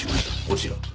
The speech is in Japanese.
こちら。